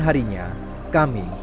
terima kasih pak